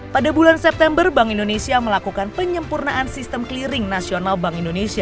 pada bulan september bank indonesia melakukan penyempurnaan sistem clearing nasional bank indonesia